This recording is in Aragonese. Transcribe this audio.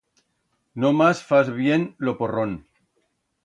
Nomás fas bien lo porrón.